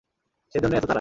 সেইজন্যেই এত তাড়া।